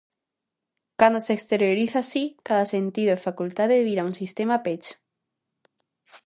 Cando se exterioriza así, cada sentido e facultade vira un sistema pecho.